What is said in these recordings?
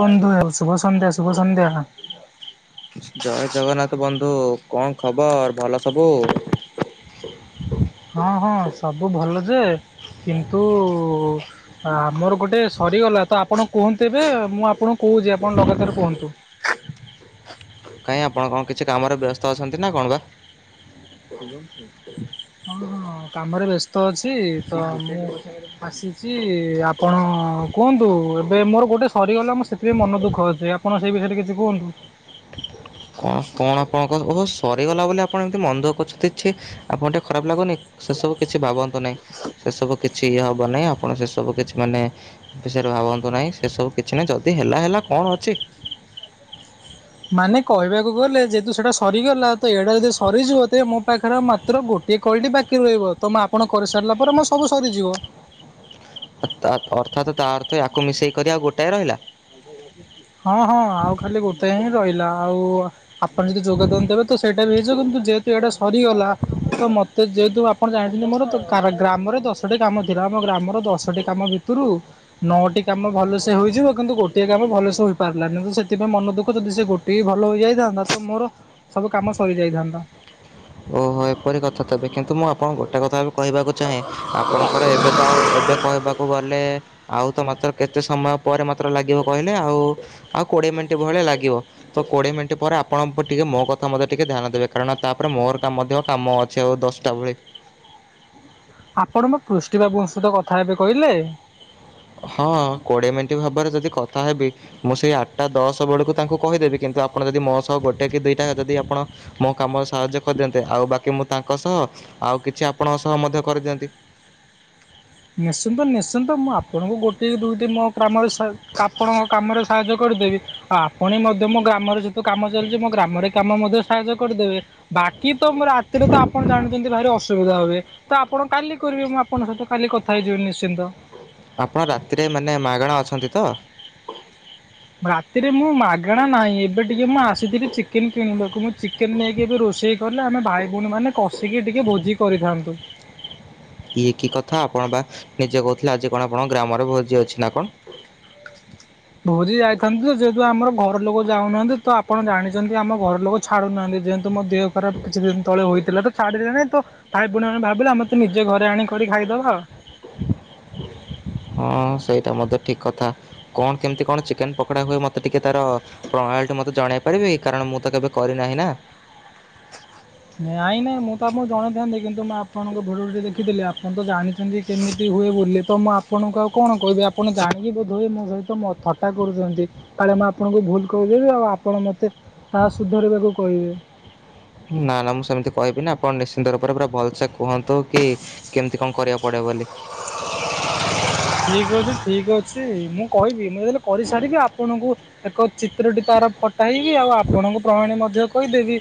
ବନ୍ଧୁ ହେ ଶୁଭ ସନ୍ଧ୍ୟା, ଶୁଭ ସନ୍ଧ୍ୟା। ଜୟ ଜଗନ୍ନାଥ ବନ୍ଧୁ, କଣ ଖବର ଭଲ ସବୁ? ହଁ ହଁ, ସବୁ ଭଲ ଯେ କିନ୍ତୁ ହଁ ଆମର ଗୋଟେ ସରିଗଲା ତ ଆପଣ କୁହନ୍ତୁ ଏବେ ମୁଁ ଆପଣଙ୍କୁ କହୁଛି ଆପଣ ଲଗାତର କୁହନ୍ତୁ। କାଇଁ ଆପଣ କଣ କିଛି କାମରେ ବ୍ୟସ୍ତ ଅଛନ୍ତି ନା କଣ ବା? ହଁ ହଁ, କାମରେ ବ୍ୟସ୍ତ ଅଛି ତ ମୁଁ ଆସିଛି ଆପଣ କୁହନ୍ତୁ ଏବେ ମୋର ଗୋଟେ ସରିଗଲା ମୁଁ ସେଥିପାଇଁ ମନ ଦୁଃଖ ଅଛି। ଆପଣ ସେ ବିଷୟରେ କିଛି କୁହନ୍ତୁ। ହଁ କଣ ଆପଣଙ୍କ ଓହ ସରିଗଲା ବୋଲି ଆପଣ ଏମିତି ମନ ଦୁଃଖ କରୁଛନ୍ତି, ଛି ଆପଣ ଟିକେ ଖରାପ ଲାଗୁନି। ସେ ସବୁ କିଛି ଭାବନ୍ତୁ ନାହିଁ ସେ ସବୁ କିଛି ଇଏ ହବ ନାହିଁ ଆପଣ ସେ ସବୁ କିଛି ମାନେ ବିଷୟରେ ଭାବନ୍ତୁ ନାହିଁ ସେ ସବୁ କିଛି ନାହିଁ ଯଦି ହେଲା ହେଲା କଣ ଅଛି। ମାନେ କହିବାକୁ ଗଲେ ଯେହେତୁ ସେଟା ସରିଗଲା ତ ଏଇଟା ଯଦି ସରିଯିବ ତେ ମୋ ପାଖରେ ମାତ୍ର ଗୋଟେ ଇଏ କଲଟି ବାକି ରହିବ ତମ ଆପଣ କରିସାରିଲା ପରେ ମୋ ସବୁ ସରିଯିବ। ଅର୍ଥାତ୍ ତା ଅର୍ଥୟାକୁ ମିଶେଇକ କରି ଆଉ ଗୋଟାଏ ରହିଲା? ହଁ ହଁ ଆଉ ଖାଲି ଗୋଟେ ହିଁ ରହିଲା ଆଉ ଆପଣ ଯଦି ଯୋଗଦାନ ଦେବେ ତ ସେଇଟା ବି ହେଇଯିବ କିନ୍ତୁ ଯେହେତୁ ଏଇଟା ସରିଗଲା। ତ ମତେ ଯେହେତୁ ଆପଣ ଜାଣିଛନ୍ତି ମୋର ତ ଗ୍ରାମରେ ଦଶଟି କାମ ଥିଲା ଆମ ଗ୍ରାମର ଦଶଟି କାମ ଭିତରେ ଟ୍ରୁ ନଅଟି କାମ ଭଲସେ ହୋଇଯିବ କିନ୍ତୁ ଗୋଟେ ସେ କାମ ଭଲସେ ହୋଇପାରିଲାନି କିନ୍ତୁ ସେଥିପାଇଁ ମନ ଦୁଃଖ ଯଦି ସେ ଗୋଟିଏ ବି ଭଲ ହେଇଯାଇଥାନ୍ତା ତ ମୋର ସବୁ କାମ ସରିଯାଇଥାନ୍ତା। ଓହୋ ଏପରି କଥା ତବେ କିନ୍ତୁ ମୁଁ ଆପଣଙ୍କୁ ଗୋଟେ କଥା କହିବାକୁ ଚାହେଁ ଆପଣ ଆପଣଙ୍କର ଏବେ ତ ଆଉ ଏବେ କହିବାକୁ ଗଲେ ଆଉ ତ ମାତ୍ର କେତେ ସମୟ ପରେ ମ ମାତ୍ର ଲାଗିବ କହିଲେ ଆଉ, ଆଉ କୋଡ଼ିଏ ମିନିଟ୍ ଭଳିଆ ଲାଗିବ ତ କୋଡ଼ିଏ ମିନିଟ୍ ପରେ ଆପ ପଣଙ୍କୁ ଟିକେ ମୋ କଥା ମଧ୍ୟ ଟିକେ ଧ୍ୟାନ ଦେବେ କାରଣ ତାପରେ ମୋର ଟା ମଧ୍ୟ କାମ ଅଛି ଆଉ ଦଶଟା ଭଳି। ଆପଣ ବା ପୃଷ୍ଟି ବାବୁଙ୍କ ସହିତ କଥା ହେବେ କହିଲେ। ହଁ କୋଡିଏ ମିନିଟ ଭାବରେ ଯଦି କଥା ହେବି ମୁଁ ସେଇ ଆଠଟା ଦଶ ବେଳକୁ ତାଙ୍କୁ କହିଦେବି କିନ୍ତୁ ଆପଣ ଯଦି ମୋ ସହ ଗୋଟେ କି ଦୁଇଟା ଯଦି ଆପଣ ମୋ କାମରେ ସାହାଯ୍ୟ କରିଦିଅନ୍ତେ ଆଉ ବାକି ମୁଁ ତାଙ୍କ ସହ, ଆଉ କିଛି ଆପଣଙ୍କ ସହ ମଧ୍ୟ କରିଦିଅନ୍ତି। ନିଶ୍ଚିନ୍ତ ନିଶ୍ଚିନ୍ତ ମୁଁ ଆପଣଙ୍କୁ ଗୋଟିଏ ଦୁଇଟି ମୋ କାମରେ ସା ଆପଣଙ୍କ କାମରେ ସାହାଯ୍ୟ କରିଦେବି। ଆପଣ ବି ମଧ୍ୟ ମୋ ଗ୍ରାମରେ ଯେହେତୁ କାମ ଚାଲିଛି ମୋ ଗ୍ରାମରେ କାମ ମଧ୍ୟ ସାହାଯ୍ୟ କରିଦେବେ। ବାକି ତ ରାତିରେ ତ ଆପଣ ଜାଣିଛନ୍ତି ଭାରି ଅସୁବିଧା ହୁଏ, ତ ଆପଣ କାଲି କରିବେ ମୁଁ ଆପଣଙ୍କ ସହିତ। କାଲି କଥା ହେଇଯିବେ ନିଶ୍ଚିନ୍ତ। ଆପଣ ରାତିରେ ମାନେ ମାଗେଣା ଅଛନ୍ତି ତ? ରାତିରେ ମୁଁ ମାଗଣା ନାହିଁ, ଏବେ ଟିକେ ମୁଁ ଆସିଥିଲି ଚିକେନ କିଣିବାକୁ ମୁଁ ଚିକେନ ନେଇକି ଏବେ ରୋଷେଇ କଲେ ଆମେ ଭାଇ, ଭଉଣୀମାନେ କଷିକି ଟିକେ ଭୋଜି କରିଥାନ୍ତୁ। ଇଏ କି କଥା ଆପଣ ବା ନିଜେ କହୁଥିଲେ ଆଜି କଣ ଆପଣଙ୍କ ଗ୍ରାମରେ ଭୋଜି ଅଛି ନା କଣ? ଭୋଜି ଯାଇଥାନ୍ତି ଯେ ଯେହେତୁ ଆମର ଘର ଲୋକ ଯାଉନାହାନ୍ତି ତ ଆପଣ ଜାଣିଛନ୍ତି ଆମ ଘର ଲୋକ ଛାଡୁନାହାନ୍ତି ଯେହେତୁ ମୋ ଦେହ ଖରାପ କିଛି ଦିନ ତଳେ ହୋଇଥିଲା ତ ଛାଡିଲେନି ତ ଭାଇ ପୁଣି ଆମେ ଭାବିଲା ଆମେ ନିଜେ ଘରେ ଆଣିକି ଖାଇଦବା। ହଁ ସେଇଟା ମଧ୍ୟ ଠିକ କଥା କଣ କେମିତି କଣ ଚିକେନ ପକୋଡା ହୁଏ ମତେ ଟିକେ ତାର ପ୍ରଣାଳୀଟି ମତେ ଜଣେଇ ପାରିବେ କାରଣ ମୁଁ ତ କେବେ କରିନାହିଁ ନା। ନାଇଁ ନାଇଁ ମୁଁ ତ ଆପଣଙ୍କୁ ଜଣେଇଥାନ୍ତି କିନ୍ତୁ ମୁଁ ଆପଣଙ୍କ ଭିଡିଓ ଟି ଦେଖିଥିଲି ଆପଣ ତ ଜାଣିଛନ୍ତି କେମିତି ହୁଏ ବୋଲି ତ ମୁଁ ଆପଣଙ୍କୁ ଆଉ କଣ କହିବି ଆପଣ ଜାଣିକି ବୋଧହୁଏ ମୋ ସହିତ ମ ଥଟ୍ଟା କରୁଛନ୍ତି। କାଳେ ମୁଁ ଆପଣଙ୍କୁ ଭୁଲ କହି ଦେବି ଆଉ ଆପଣ ମୋତେ ତାହା ସୁଧରିବାକୁ କହିବେ। ନା ନା ମୁଁ ସେମିତି କହିବିନି ଆପଣ ନିଶ୍ଚିନ୍ତ ରୂପରେ ପୁରା ଭଲସେ କୁହନ୍ତୁ କି କେମିତି କଁ କରିଆକୁ ପଡିବ ବୋଲି? ଠିକ୍ ଅଛି ଠିକ୍ ଅଛି ମୁଁ କହିବି, ମୁଁ ଯେତେବେଳେ କରିସାରିବି ଆପଣଙ୍କୁ ଏକ ଚିତ୍ରଟି ତାର ପଠାଇବି ଆଉ ଆପଣଙ୍କୁ ପ୍ରଣାଳୀ ମଧ୍ୟ କହିଦେବି।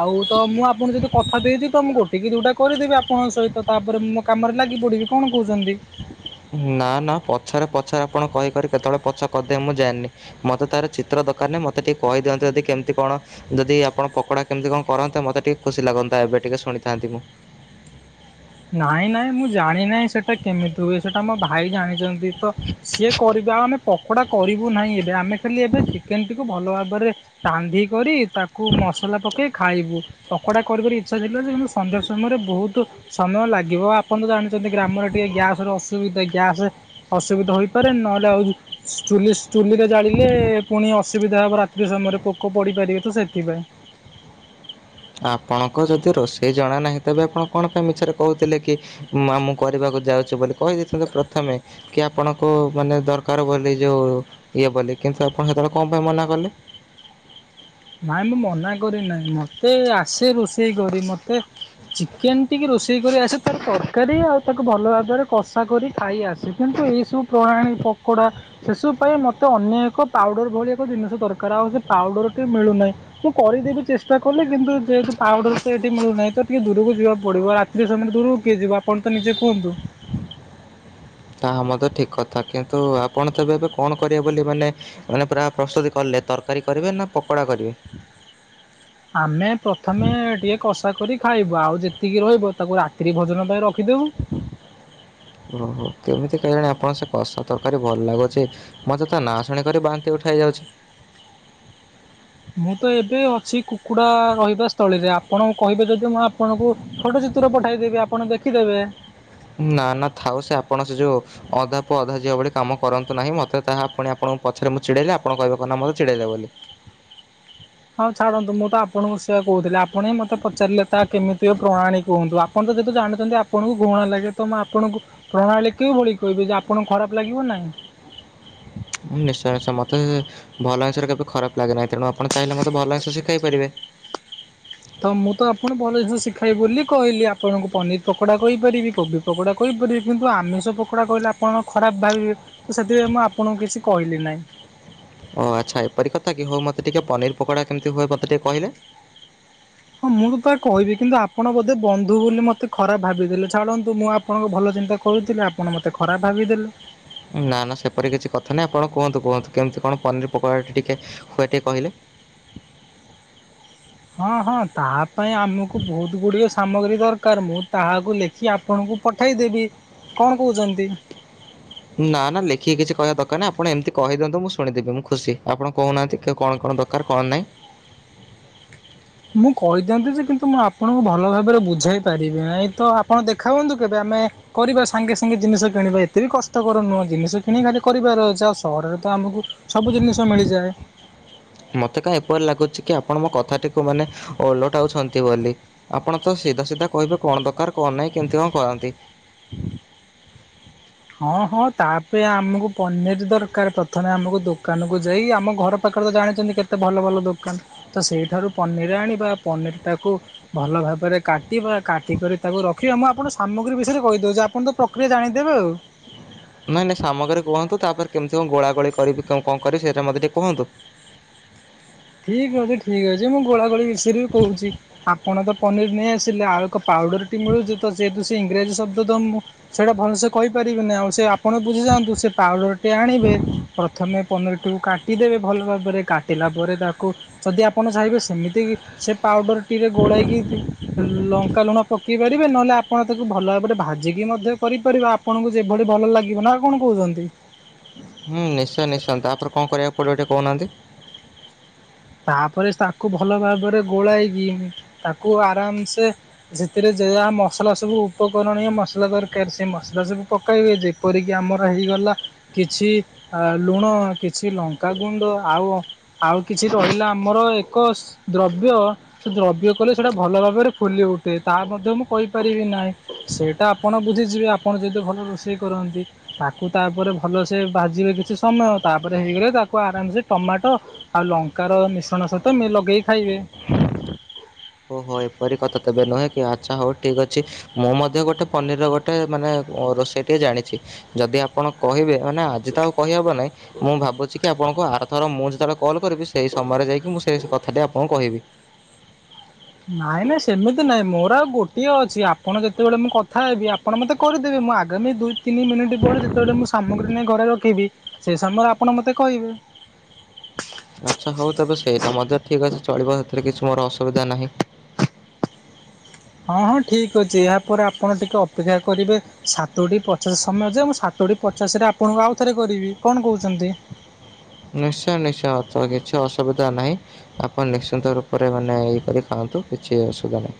ଆଉ ତ ମୁଁ ଆପଣଙ୍କୁ ଯେହେତୁ କଥା ଦେଇଛି ତ ମୁଁ ଗୋଟେ କିି ଦୁଇଟା କରିଦେବି ଆପଣଙ୍କ ସହିତ, ତାପରେ ମୁଁ ମୋ କାମରେ ଲାଗି ପଡ଼ିବି କଣ କହୁଛନ୍ତି? ନା ନା ପଛରେ ପଛରେ ଆପଣ କହିକରି କେତେବେଳେ ପଛ କରିଦେବେ ମୁଁ ଜାଣନି। ମତେ ତାର ଚିତ୍ର ଦରକାର ନାହିଁ ମତେ ଟିକେ କହିଦିଅନ୍ତୁ ଯଦି କେମିତି କଣ ଯଦି ଆପଣ ପକୋଡା କେମିତି କଁ କରନ୍ତେ ମୋତେ ଟିକେ ଖୁସି ଲାଗନ୍ତା ଏବେ ଟିକେ ଶୁଣିଥାନ୍ତି ମୁଁ। ନାଇଁ ନାଇଁ ମୁଁ ଜାଣି ନାହିଁ ସେଟା କେମିତି ହୁଏ ସେଟା ଆମ ଭାଇ ଜାଣିଛନ୍ତି। ତ ସିଏ କରିବା ଆମେ ପକୋଡା କରିବୁ ନାହିଁ ଏବେ, ଆମେ ଖାଲି ଏବେ ଚିକେନଟିକୁ ଭଲ ଭାବରେ ରାନ୍ଧି କରି ତାକୁ ମସଲା ପକେଇ ଖାଇବୁ ପକୋଡା କରିବୁ ଭାରି ଇଚ୍ଛା ଥିଲା ଯେ କିନ୍ତୁ ସନ୍ଧ୍ୟା ସମୟରେ ବହୁତୁ ସମୟ ଲାଗିବ ଆପଣ ତ ଜାଣିଚନ୍ତି ଗ୍ରାମରେ ଟିକେ ଗ୍ୟାସ ର ଅସୁବିଧା ଗ୍ୟାସ ଅସୁବିଧା ହୋଇପାରେ ନହେଲେ ଆଉ ଷ୍ଟୁଲିସ୍ ଚୁଲିରେ ଜାଳିଲେ ପୁଣି ଅସୁବିଧା ହେବ ରାତ୍ରୀ ସମୟରେ ପୋକ ପଡ଼ିପାରିବେ ତ ସେଥିପାଇଁ। ଆପଣଙ୍କ ଯଦି ରୋଷେଇ ଜଣା ନାହିଁ ତେବେ ଆପଣ କଣ ପାଇଁ ମିଛରେ କହୁଥିଲେ କି ମା ମୁଁ କରିବାକୁ ଯାଉଛି ବୋଲି କହି ଦେଇଥାନ୍ତ ପ୍ରଥମେ। କି ଆପଣଙ୍କୁ ମାନେ ଦରକାର ବୋଲି ଯୋଉ ଇଏ ବୋଲି କିନ୍ତୁ ଆପଣ ସେତେବେଳେ କଁ ପାଇଁ ମନା କଲେ? ନାଇଁ ମୁଁ ମନା କରିନାହିଁ ମତେ ଆସେ ରୋଷେଇ କରି, ମତେ ଚିକେନ ଟିକେ ରୋଷେଇ କରି ଆସେ ତାର ତରକାରୀ ଆଉ ତାକୁ ଭଲ ଭାବରେ କଷା କରି। ଖାଇ ଆସେ କିନ୍ତୁ ଏଇସବୁ ପ୍ରଣାଳୀ ପକୋଡା ସେସବୁ ପାଇଁ ମୋତେ ଅନ୍ୟ ଏକ ପାଉଡର ଭଳି ଏକ ଜିନିଷ ଦରକାର ଆଉ ସେ ପାଉଡରଟି ମିଳୁନାହିଁ। ମୁଁ କରିଦେବି ଚେଷ୍ଟା କଲେ କିନ୍ତୁ ଯେହେତୁ ପାଉଡର ତ ଏଠି ମିଳୁନାହିଁ ତ ଟିକେ ଦୂରକୁ ଯିବାକୁ ପଡିବ ରା [unintelligible] କିଏ ଯିବ ଆପଣ ତ ନିଜେ କୁହନ୍ତୁ? ତାହା ମଧ୍ଯ ଠିକ୍ କଥା, କିନ୍ତୁ ଆପଣ ତେବେ ଏବେ କଣ କରିବେ ବୋଲି ମାନେ ମାନେ ପୁରା ପ୍ରସ୍ତୁତି କଲେ, ତରକାରୀ କରିବେ ନା ପକୋଡା କରିବେ? ଆମେ ପ୍ରଥମେ ଟିକେ କଷା କରି ଖାଇବୁ, ଆଉ ଯେତିକି ରହିବ ତାକୁ ରାତ୍ରି ଭୋଜନ ପାଇଁ ରଖିଦେବୁ। ଓ ହୋ କେମିତି କେଜାଣି ଆପଣ ସେ କଷା ତରକାରୀ ଭଲ ଲାଗୁଛି? ମତେ ତା ନାଁ ଶୁଣିକରି ବାନ୍ତି ଉଠାଇ ଯାଉଛି। ମୁଁ ତ ଏବେ ଅଛି କୁକୁଡ଼ା ରହିବା ସ୍ଥଳୀରେ। ଆପଣ କହିବେ ଯଦି ମୁଁ ଆପଣଙ୍କୁ ଛୋଟ ଚିତ୍ର ପଠାଇଦେବି ଆପଣ ଦେଖିଦେବେ। ନା- ନା ଥାଉ ସେ ଆପଣ ସେ ଯୋଉ ଅଧା ପୁଅ ଅଧା ଝିଅ ଭଳି କାମ କରନ୍ତୁ ନାହିଁ। ମତେ ତାହା ପୁଣି ଆପଣଙ୍କ ପଛରେ ମୁଁ ଚିଡେଇଲେ, ଆପଣ କହିବେ କଣ ନା ମତେ ଚିଡେଇଲା ବୋଲି। ହଉ ଛାଡନ୍ତୁ ମୁଁ ତ ଆପଣଙ୍କୁ ସେଇଆ କହୁଥିଲି, ଆପଣ ହିଁ ମତେ ପଚାରିଲେ ତା କେମିତି ପ୍ରଣାଳୀ କୁହନ୍ତୁ? ଆ ଆପଣ ତ ଯେହେତୁ ଜାଣିଛନ୍ତି, ଆପଣଙ୍କୁ ଘୃଣା ଲାଗେ ତ ଆପଣଙ୍କୁ ପ୍ରଣାଳୀ କି ଭଳି କହିବି, ଯେ ଆପଣଙ୍କୁ ଖରାପ ଲାଗିବ ନା ନାହିଁ। ମୁଁ ନିଶ୍ଚୟ ନିଶ୍ଚୟ ମତେ ଭଲ ଜିନିଷରେ କେବେ ଖରାପ ଲାଗେ ନାହିଁ। ତେଣୁ ଆପଣ ଚାହିଁଲେ ମତେ ଭଲ ଜିନିଷ ଶିଖାଇ ପାରିବେ। ତ ମୁଁ ତ ଆପଣଙ୍କୁ ଭଲ ଜିନଷ ଶିଖାଇବ ବୋଲି କହିଲି, ଆପଣଙ୍କୁ ପନିର ପକୋଡ଼ା କହିପାରିବି କୋବି ପକୋଡ଼ା କହିପାରିବି, କିନ୍ତୁ ଆମିଷ ପକୋଡ଼ା କହିଲେ ଆପଣ ଖରାପ ଭାବିବେ। ସେଥିପାଇଁ ମୁଁ ଆପଣଙ୍କୁ କିଛି କହିଲି ନାହିଁ। ଓ ଆଚ୍ଛା ଏପରି କଥା କି, ହଉ ମୋତେ ଟିକେ ପନିର ପକୋଡା କେମିତି ହୁଏ? ମତେ ଟିକେ କହିଲେ? ହଁ- ମୁଁ ତାହା କହିବି, କିନ୍ତୁ ଆପଣ ବୋଧେ ବନ୍ଧୁ ବୋଲି ମତେ ଖରାପ ଭାବିଦେଲେ ଛାଡ଼ନ୍ତୁ। ମୁଁ ଆପ ଆପଣଙ୍କ ଭଲ ଚିନ୍ତା କରୁଥିଲି, ଆପଣ ମତେ ଖରାପ ଭାବିଦେଲେ। ନା- ନା ସେପରି କିଛି କଥା ନାହିଁ ଆପଣ କୁହନ୍ତୁ କୁହନ୍ତୁ, କେମିତି କଣ ପନିର ପକୋଡ଼ାଟି ଟିକେ ହୁଏ ଟିକେ କହିଲେ? ହଁ- ହଁ ତାହା ପାଇଁ ଆମକୁ ବହୁତ ଗୁଡ଼ିଏ ସାମଗ୍ରୀ ଦରକାର, ମୁଁ ତାହାକୁ ଲେଖି ଆପଣଙ୍କୁ ପଠେଇଦେବି, କଣ କହୁଛନ୍ତି? ନା- ନା ଲେଖିକି କିଛି କହିବା ଦରକାରନାହିଁ, ଆପଣ ଏମିତି କହିଦିଅନ୍ତୁ ମୁଁ ଶୁଣିଦେବି ମୁଁ ଖୁସି। ଆପଣ କହୁନାହାନ୍ତି କଣ କଣ ଦ ତାର କଣ ନାହିଁ? ମୁଁ କହିଦିଅନ୍ତି ଯେ, କିନ୍ତୁ ମୁଁ ଆପଣଙ୍କୁ ଭଲ ଭାବରେ ବୁଝାଇ ପାରିବି ନାହିଁ। ତ ଆପଣ ଦେଖା ହୁଅନ୍ତୁ କେବେ ଆମେ କରିବା ସାଙ୍ଗେ ସାଙ୍ଗେ ଜିନିଷ କିଣିବା, ଏତେ ବି କଷ୍ଟକର ନୁହଁ। ଜିନିଷ କିଣି ଖାଲି କରିବାର ଅଛି, ଆଉ ସହରରେ ତ ଆମକୁ ସବୁ ଜିନିଷ ମିଳିଯାଏ। ମୋତେ କାଇଁ ଏପରି ଲାଗୁଛି କି, ଆପଣ ମୋ କଥାଟିକୁ ମାନେ ଓଲଟାଉଛନ୍ତି ବୋଲି। ଆପଣ ତ ସିଧା ସିଧା କହିବେ, କଣ ଦରକାର କଣ ନାହିଁ। କେମତି କଣ କରନ୍ତି? ହଁ- ହଁ ତାପାଇଁ ଆମକୁ ପନିର ଦରକାର, ପ୍ରଥମେ ଆମକୁ ଦୋକାନକୁ ଯାଇ ଆମ ଘର ପାଖରେ ତ ଜାଣିଛନ୍ତି, କେତେ ଭଲ ଭଲ ଦୋକାନ। ତ ସେଇଠାରୁ ପନିର ଆଣିବା ପନିର ଟାକୁ ଭଲ ଭାବରେ କାଟିବା କାଟିକରି ତାକୁ ରଖିବା, ମୁଁ ଆପଣଙ୍କୁ ସାମଗ୍ରୀ ବିଷୟରେ କହିଦଉଛି। ଆପଣ ତ ପକ୍ରିୟା ଜାଣିଦେବେ ଆଉ। ନାଇଁ ନାଇଁ ସାମଗ୍ରୀ କହନ୍ତୁ, ତାପରେ କେମତି କଣ ଗୋଳା ଗୋଳି କରିବି କ କଣ କରିବି ସେଇଟା ମତେ ଟିକେ କୁହନ୍ତୁ? ଠିକ ଅଛି ଠିକ ଅଛି, ମୁଁ ଗୋଳା ଗୋଳି ବିଷୟରେ ବି କହୁଛି। ଆପଣ ତ ପନିର ନେଇ ଆସିଲେ ଆଳୁ ଏକ ପାଉଡର ଟି ମିଳୁଛି। ତ ଯେହେତୁ ସେ ଇଂରାଜୀ ଶବ୍ଦ ତ, ମୁଁ ସେଇରା ଭଲସେ କହିପାରିବିନି। ଆଉ ସେ ଆପଣ ବୁଝିଯାଆନ୍ତୁ। ସେ ପାଉଡରଟି ଆଣିବେ ପ୍ରଥମେ ପନିରଟିକୁ କା ଟି ଦେବେ ଭଲ ଭାବରେ କାଟିଲା ପରେ, ତାକୁ ଯଦି ଆପଣ ଚାହିଁବେ ସେମିତି ସେ ପାଉଡ଼ର ଟିରେ ଗୋଳେଇକି ଦି ଲଙ୍କା ଲୁଣ ପକେଇ ପାରିବେ, ନହେଲେ ଆପଣ ତାକୁ ଭଲ ଭାବରେ ଭାଜିକି ମଧ୍ୟ କରିପାରିବେ। ଆ ଆପଣଙ୍କୁ ଯେଭଳି ଭଲ ଲାଗିବ, ନା ଆଉ କଣ କହୁଛନ୍ତି? ହୁଁ ନିଶ୍ଚୟ ନିଶ୍ଚୟ, ତାପରେ କଣ କରିବାକୁ ପଡିବ ଟିକେ କହୁନାହାନ୍ତି? ତାପରେ ତାକୁ ଭଲ ଭାବରେ ଗୋଳାଇକି, ତାକୁ ଆରାମ ସେ ସେଥିରେ ଯେଆ ମସଲା ସବୁ, ଉପକରଣୀୟ ମସଲା ଦରକାର ସେ ମସଲା ସବୁ ପକାଇବେ ଯେ ଏପରିକି ଆମର ହେଇଗଲା କିଛି ଆ ଲୁଣ, କିଛି ଲଙ୍କାଗୁଣ୍ଡ ଆଉ ଆଉ କିଛି ରହିଲା ଆମର ଏକ ଦ୍ରବ୍ୟ। ସେ ଦ୍ରବ୍ୟ କଲେ ସେଇଟା ଭଲ ଭାବରେ ଫୁଲି ଉଠେ। ତାହା ମଧ୍ୟ ମୁଁ କହିପାରିବି ନାହିଁ। ସେ ତା ଆପଣ ବୁଝିଯିବେ, ଆପଣ ଯଦି ଭଲ ରୋଷେଇ କରନ୍ତି। ତାକୁ ତାପରେ ଭଲସେ ଭାଜିବେ କିଛି ସମୟ, ତାପରେ ହେଇଗଲେ ତାକୁ ଆରାମସେ ଟମାଟ ଆଉ ଲଙ୍କାର ର ମିଶ୍ରଣ ସହିତ ମେ ଲଗେଇକି ଖାଇବେ। ଓହୋ ଏପରି କଥା ତେଵେ ନୁହେଁ କି ଆଚ୍ଛା ହଉ ଠିକ୍ ଅଛି ମୁଁ ମଧ୍ୟ ଗୋଟେ ପନିରର ଗୋଟେ ମାନେ ରୋଷେଇ ଟେ ଜାଣିଛି। ଯଦି ଆପଣ କହିବେମାନେ ଆଜି ତ ଆଉ କହି ହବ ନାହିଁ ମୁଁ ଭାବୁଛି କି ଆପଣଙ୍କୁ ଆରଥର ମୁଁ ଯେତେବେଳେ କଲ୍ କରିବି ସେଇ ସମୟରେ ଯାଇକି ମୁଁ ସେ କଥାଟି ଆପଣଙ୍କୁ କହିବି। ନାଇଁ ନାଇଁ ସେମିତି ନାଇଁ ମୋର ଆଉ ଗୋଟିଏ ଅଛି ଆପଣ ଯେତେବେଳେ ମୁଁ କଥା ହେବି ଆପ ଆପଣ ମୋତେ କରିଦେବେ ମୁଁ ଆଗାମୀ ଦୁଇ ତିନି ମିନିଟ୍ ପରେ ଯେତେବେଳେ ମୁଁ ସାମଗ୍ରୀ ନେଇ ଘରେ ରଖିବି ସେ ସମୟରେ ଆପଣ ମତେ କହିବେ। ଆଚ୍ଛା ହଉ ତବେ ସେଇଟା ମଧ୍ୟ ଠିକ୍ ଅଛି ଚଳିବ ସେଥିରେ କିଛି ମୋର ଅସୁବିଧା ନାହିଁ। ହଁ ହଁ ଠିକ୍ ଅଛି ଏହାପରେ ଆପଣ ଟିକେ ଅପେକ୍ଷା କରିବେ ସାତଟି ପଚାଶ ସମୟ ଯାଏଁ ମୁଁ ସାତଟି ପଚାଶ ରେ ଆପଣଙ୍କୁ ଆଉଥରେ କରିବି କଣ କହୁଚନ୍ତି? ନିଶ୍ଚୟ ନିଶ୍ଚୟ ଅଛ କିଛି ଅସୁବିଧା ନାହିଁ। ଆପଣ ନିଶ୍ଚିନ୍ତ ରୂପରେ ମାନେ ଇଏ କରି ଖାଆନ୍ତୁ କିଛି ଅସୁବିଧା ନାହିଁ।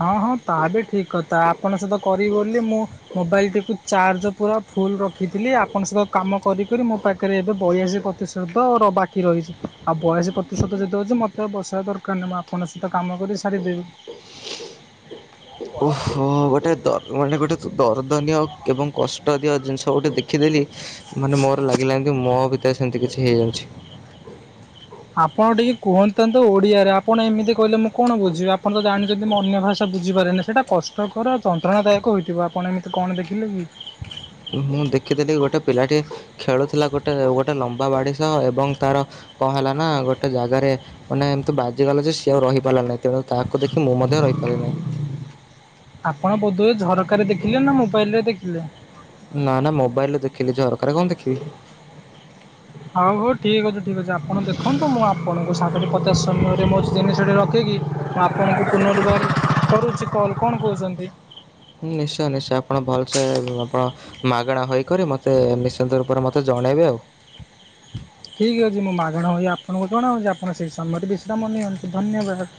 ହଁ ହଁ ତା ବି ଠିକ କଥା ଆପଣ ସହିତ କରିବି ବୋଲି ମୁଁ ମୋବାଇଲ ଟିକୁ ଚାର୍ଜ ପୁରା ଫୁଲ ରଖିଥିଲି ଆପଣ ସହି କାମ କରି କରି ମୋ ପାଖରେ ଏବେ ବଇଆଶି ପ୍ରତିଶତ ର ବାକି ରହିଚି ଆଉ ବୟାଶି ପ୍ରତିଶତ ଯଦି ଅଛି ମୋତେ ବସାଇବା ଦରକାର ନାହିଁ ମୁଁ ଆପ ଣଙ୍କ ସହିତ କାମ କରି ସାରିଦେବି। ହୁଁ। ଓହୋ ଗୋଟେ ଦ ମାନେ ଗୋଟେ ଦରଦନିଆ ଆଉ ଏବଂ କଷ୍- ଟ ଦିଅ ଜିନିଷ ଗୋଟେ ଦେଖିଦେଲି ମାନେ ମୋର ଲାଗିଲା ଏମିତି ମୋ ଭିତରେ ସେମିତି କିଛି ହେଇଯାଉଛି। ଆପଣ ଟିକେ କୁହନ୍ତନ୍ତୁ ଓଡିଆରେ ଆପଣ ଏମିତି କହିଲେ ମୁଁ କଣ ବୁଝିବି ଆପଣ ତ ଜାଣିଛନ୍ତି ମୋ ଅନ୍ୟ ଭାଷା ବୁଝିପାରେନି ସେଇଟା କଷ୍ଟକର ଯନ୍ତ୍ରଣାଦାୟକ ହୋଇଥିବ ଆପଣ ଏମିତି କଣ ଦେଖିଲେ କି? ମୁଁ ଦେଖିଦେଲିି ଗୋଟେ ପିଲାଟିଏ ଖେଳୁଥିଲା ଗୋଟେ ଗୋଟେ ଲମ୍ବା ବାଡ଼ି ସହ ଏବଂ ତାର କଣ ହେଲା ନା ଗୋଟେ ଜାଗାରେ ମାନେ ଏମିତି ବାଜିଗଲା ଯେ ସିଏ ଆଉ ରହିପାରିଲ ନାହିଁ ତେଣୁ ତାହାକୁ ଦେଖି ମୁଁ ମଧ୍ୟ ରହିପାରିିନହିଁ। ଆପଣ ବୋଧୁଏ ଝରକାରେ ଦେଖିଲେ ନା ମୋବାଇଲରେ ଦେଖିଲେ? ନା ନା ମୋବାଇଲରେ ଦେଖିଲି ଝରକାରେ କଣ ଦେଖିବି। ହଉ ହଉ ଠିକ ଅଛି ଠିକ ଅଛି ଆପଣ ଦେଖନ୍ତୁ ମୁଁ ଆପଣଙ୍କୁ ସାତଟି ପଚାଶ ସମୟରେ ମୋ ଜିନିଷଟି ରଖିକି ମୁଁ ଆପଣଙ୍କୁ ପୁନର୍ବାର କରୁଚି କଲ୍ କଣ କହୁଛନ୍ତି? ହୁଁ ନିଶ୍ଚୟ ନିଶ୍ଚୟ ଆପଣ ଭଲସେ ଆପଣ ମାଗଣା ହୋଇକରି ମତେ ନିଶ୍ଚିନ୍ତ ରୂପରେ ମତେ ଜଣେଇବେ ଆଉ। ଠିକ୍ ଅଛି ମୁଁ ମାଗଣ ହୋଇ ଆପଣଙ୍କୁ ଜଣଉଚି ଆପଣ ସେହି ସମୟଟି ବିଶ୍ରାମ ନିଅନ୍ତୁ ଧନ୍ୟବାଦ।